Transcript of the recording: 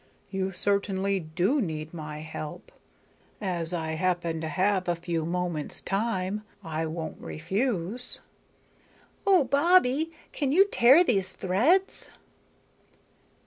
You certainly do need my help. As I happen to have a few moments' time, I won't refuse." "Oh, Bobbie, can you tear these threads?"